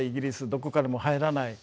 どこからも入らない。